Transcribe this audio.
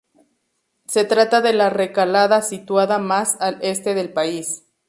Se trata de la recalada situada más al este del país.